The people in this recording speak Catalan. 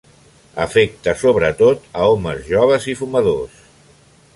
Afecta sobretot a homes joves i fumadors.